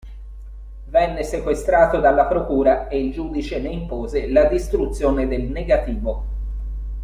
Venne sequestrato dalla procura e il giudice ne impose la distruzione del negativo.